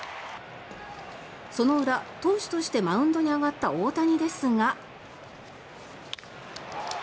その裏、投手としてマウンドに上がった大谷ですが。